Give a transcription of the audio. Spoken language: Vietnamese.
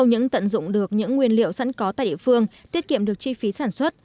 những tận dụng được những nguyên liệu sẵn có tại địa phương tiết kiệm được chi phí sản xuất